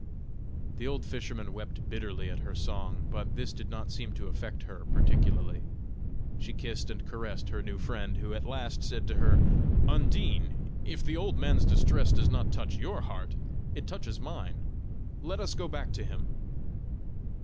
The old fisherman wept bitterly at her song, but this did not seem to affect her particularly. She kissed and caressed her new friend, who at last said to her: "Undine, if the old man's distress does not touch your heart, it touches mine let us go back to him."